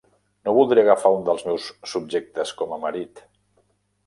No voldria agafar un dels meus subjectes com a marit...